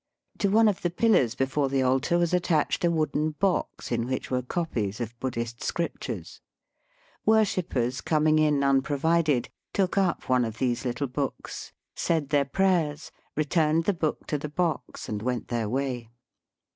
To one of the pillars before the altar was attached a wooden box in which were copies of Buddhist Scriptures. Worshippers coming in unprovided, took up one of these little books, said their prayers, re turned the book to the box, and went their way.